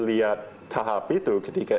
lihat tahap itu ketika